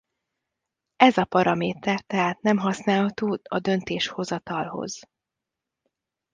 Ez a paraméter tehát nem használható a döntéshozatalhoz.